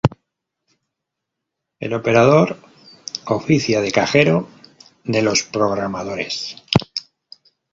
El operador oficia de "cajero" de los programadores.